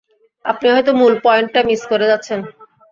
আপনি হয়তো মূল পয়েন্টটা মিস করে যাচ্ছেন।